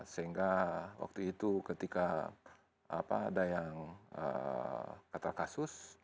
sehingga waktu itu ketika ada yang kata kasus